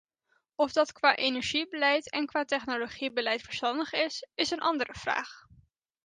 Of dat qua energiebeleid en qua technologiebeleid verstandig is, is een andere vraag.